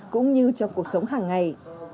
cũng như trong cuộc sống hàng ngày